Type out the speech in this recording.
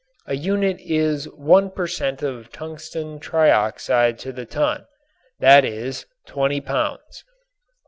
A unit is 1 per cent. of tungsten trioxide to the ton, that is, twenty pounds.